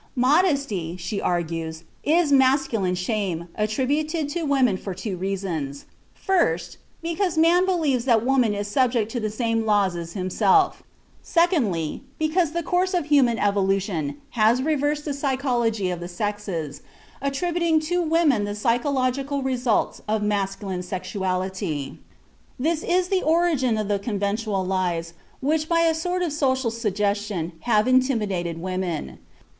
"Modesty," she argues, "is masculine shame attributed to women for two reasons: first, because man believes that woman is subject to the same laws as himself; secondly, because the course of human evolution has reversed the psychology of the sexes, attributing to women the psychological results of masculine sexuality. This is the origin of the conventional lies which by a sort of social suggestion have intimidated women.